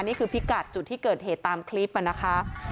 นี่คือพิกัดจุดที่เกิดเหตุตามคลิปมานะคะ